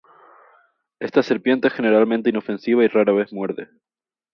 Esta serpiente es generalmente inofensiva y rara vez muerde.